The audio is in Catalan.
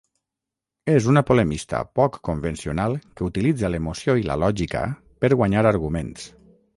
És una polemista poc convencional que utilitza l'emoció i la lògica per guanyar arguments.